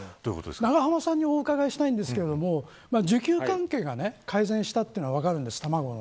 永濱さんにお伺いしたいんですけど需給関係が改善したのは分かるんです卵の。